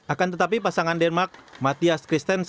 akan tetapi pasangan denmark mathias kristen